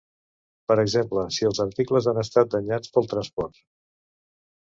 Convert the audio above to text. Per exemple, si els articles han estat danyats pel transport.